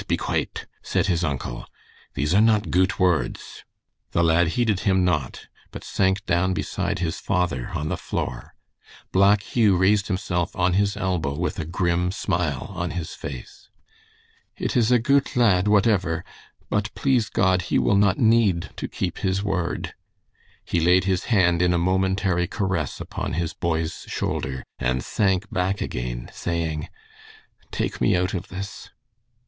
be quate!" said his uncle; "these are not goot words." The lad heeded him not, but sank down beside his father on the floor. Black Hugh raised himself on his elbow with a grim smile on his face. "It is a goot lad whatever, but please God he will not need to keep his word." He laid his hand in a momentary caress upon his boy's shoulder, and sank back again, saying, "Take me out of this."